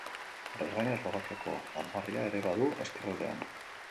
Horrez gain, Eslovakiako armarria ere badu ezkerraldean.